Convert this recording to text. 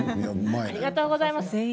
ありがとうございます。